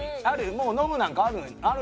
もうノブなんかある。